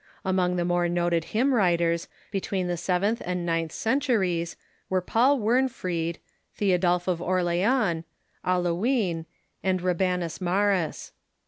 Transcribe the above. Among the more noted hymn writers between the seventh and ninth centuries Avere Paul Wernefried, Theodulf of Orleans, Alcuin, and Rabanus Maurus.